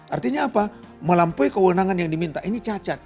artinya apa melampaui kewenangan yang diminta ini cacat